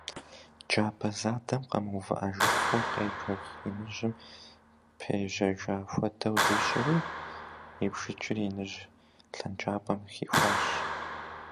Джабэ задэм къэмыувыӀэжыфу къежэх иныжьым пежажьэ хуэдэу зищӀри, и бжыкӀыр иныжь лъэнкӀапӀэм хихуащ.